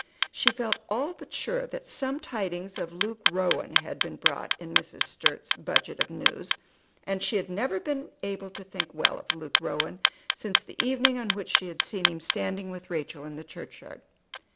She felt all but sure that some tidings of Luke Rowan had been brought in Mrs. Sturt's budget of news, and she had never been able to think well of Luke Rowan since the evening on which she had seen him standing with Rachel in the churchyard.